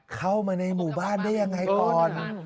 เข้ามาในหมู่บ้านได้ยังไงก่อน